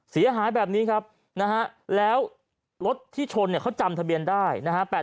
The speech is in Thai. เสียหายแบบนี้ครับแล้วรถที่ชนเขาจำทะเบียนได้